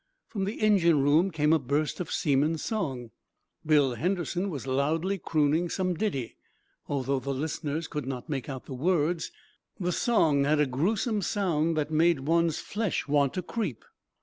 From the engine room came a burst of seaman's song. Bill Henderson was loudly crooning some ditty. Although the listeners could not mike out the words, the song had a gruesome sound that made one's flesh want to creep.